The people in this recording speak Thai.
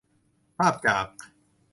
ภาพจาก